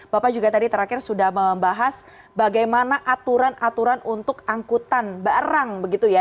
bapak juga tadi terakhir sudah membahas bagaimana aturan aturan untuk angkutan barang begitu ya